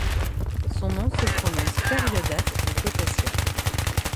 Son nom se prononce per-iodate de potassium.